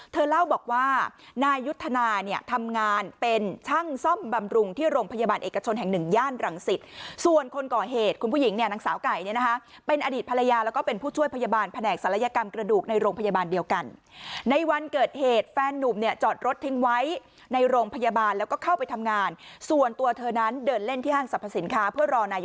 เธอเล่าบอกว่านายุทธนาเนี้ยทำงานเป็นช่างซ่อมบำรุงที่โรงพยาบาลเอกชนแห่งหนึ่งย่านรังสิตส่วนคนก่อเหตุคุณผู้หญิงเนี้ยนางสาวไก่เนี้ยนะคะเป็นอดีตภรรยาแล้วก็เป็นผู้ช่วยพยาบาลแผนกศัลยกรรมกระดูกในโรงพยาบาลเดียวกันในวันเกิดเหตุแฟนนุ่มเนี้ยจอดรถทิ้งไว้ในโรงพย